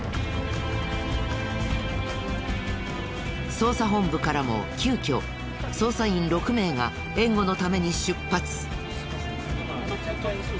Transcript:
捜査本部からも急きょ捜査員６名が援護のために出発。